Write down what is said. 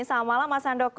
selamat malam mas handoko